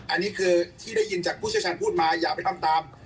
อันนี้คือที่ได้ยินจากผู้เชี่ยวชาญพูดมาอย่าไปทำตาม